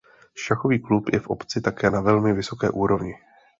Šachový klub je v obci také na velmi vysoké úrovni.